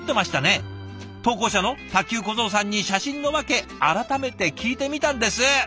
投稿者の卓球小僧さんに写真の訳改めて聞いてみたんです。